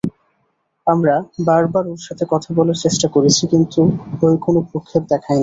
আমরা বারবার ওর সাথে কথা বলার চেষ্টা করেছি, কিন্তু ওই কোনো ভ্রুক্ষেপ দেখায়নি।